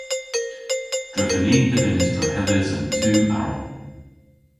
Drefen i dhe vynnes drehedhes an tu aral.